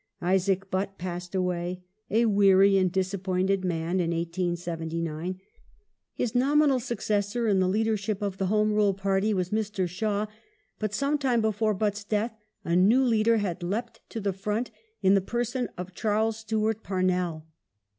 Isaac Butt passed away, a weary and disappointed man, in 1879. His nominal successor in the leadership of the Home Rule Party was Mr. Shaw, but sometime before Butt's death a new leader had leapt to the front in the person of Charles Stewart Parnell.